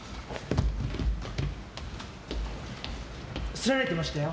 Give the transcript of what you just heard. すられてましたよ。